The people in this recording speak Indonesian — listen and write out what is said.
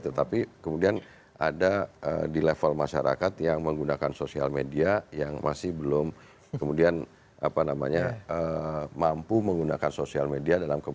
tetapi kemudian ada di level masyarakat yang menggunakan sosial media yang masih belum kemudian mampu menggunakan sosial media